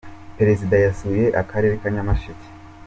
perezida yasuye akarere ka nyamasheke.